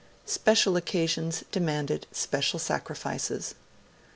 Special occasions demanded special sacrifices.